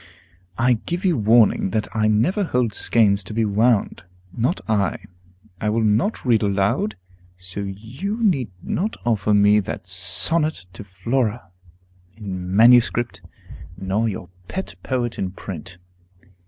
I give you warning that I never hold skeins to be wound, not I. I will not read aloud; so you need not offer me that 'Sonnet to Flora,' in manuscript, nor your pet poet in print.